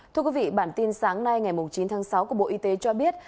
thưa quý vị bản tin sáng nay ngày chín tháng sáu của bộ y tế cho biết